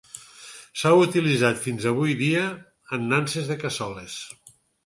S'ha utilitzat fins avui dia en nanses de cassoles.